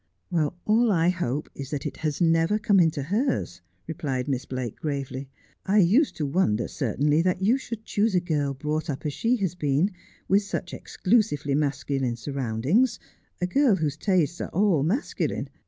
' All I hope is that it has never come into hers,' replied Miss Blake gravely. ' I used to wonder, certainly, that you should choose a girl brought up as she has been, with such exclusively masculine surroundings — a girl whose tastes are all masculine.